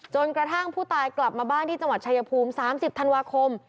จนกระทั่งผู้ตายกลับมาบ้านที่จังหวัดชายภูมิ๓๐ธันวาคม